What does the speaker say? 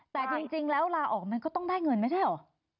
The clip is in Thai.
แต่จริงแล้วลาออกมันก็ต้องได้เงินไม่ใช่เหรอ